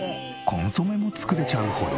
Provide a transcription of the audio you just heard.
コンソメも作れちゃうほど。